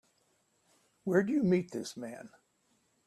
Where'd you meet this man?